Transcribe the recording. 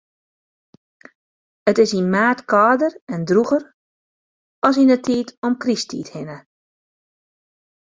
It is yn maart kâlder en drûger as yn 'e tiid om Krysttiid hinne.